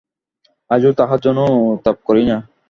আজও তাহার জন্য অনুতাপ করি না।